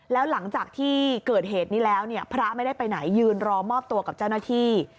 แล้วหลังจากที่เกิดเหตุนี้แล้วเนี่ยพระไม่ได้ไปไหนยืนรอมอบตัวกับเจ้าหน้าที่